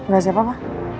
gak siap apa